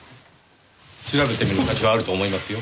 調べてみる価値はあると思いますよ。